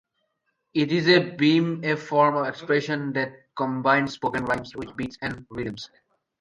It is a form of expression that combines spoken rhymes with beats and rhythms.